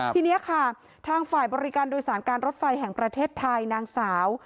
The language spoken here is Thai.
ทีนี้ค่ะทางฝ่ายบริการโดยสารการรถไฟแห่งประเทศไทยนางสาว